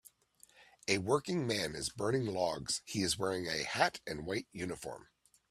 A working man is burning logs he is wearing a hat and white uniform